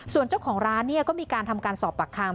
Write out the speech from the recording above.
ส่วนเจ้าของร้านก็มีการทำการสอบปากคำ